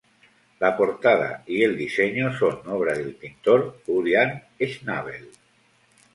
La portada y el diseño son obra del pintor Julian Schnabel.